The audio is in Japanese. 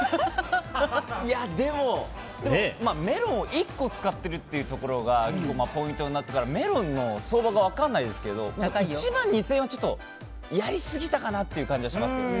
でも、メロン１個使っているというところが結構ポイントになるからメロンの相場が分からないですけど１万２０００円はちょっとやりすぎたかなっていう感じがしますけど。